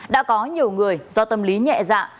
đã có nhiều người do tâm lý nhẹ dạ